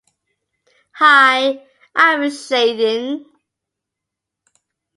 Hi I am Shaidene